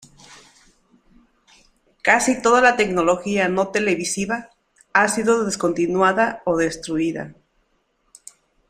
Casi toda la tecnología no televisiva ha sido descontinuada o destruida.